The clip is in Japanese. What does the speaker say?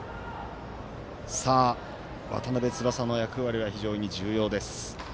渡邉翼の役割は非常に重要です。